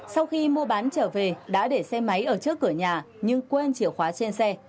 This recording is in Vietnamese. sau khi mua bán trở về đã để xe máy ở trước cửa nhà nhưng quên chìa khóa trên xe